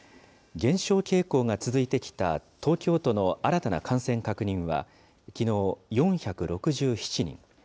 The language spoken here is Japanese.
減少傾向が続いてきた東京都の新たな感染確認はきのう、４６７人。